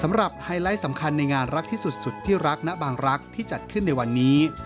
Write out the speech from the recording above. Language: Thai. ไฮไลท์สำคัญในงานรักที่สุดที่รักณบางรักที่จัดขึ้นในวันนี้